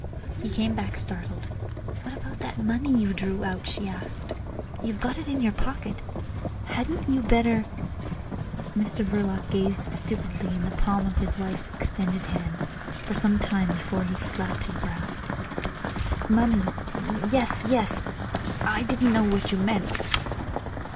He came back startled. "What about that money you drew out?" she asked. "You've got it in your pocket? Hadn't you better—" Mr Verloc gazed stupidly into the palm of his wife's extended hand for some time before he slapped his brow. "Money! Yes! Yes! I didn't know what you meant."